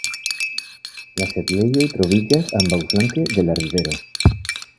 La setlejoj troviĝas ambaŭflanke de la rivero.